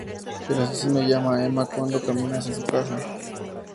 El asesino llama a Emma cuando camina hacia su casa.